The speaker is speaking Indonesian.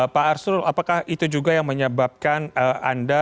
pak arsul apakah itu juga yang menyebabkan anda